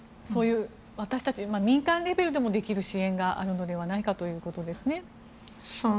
そういう私たち民間レベルでもできる支援があるのではないかということですね。